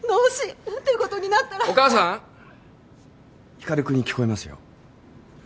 光君に聞こえますよ。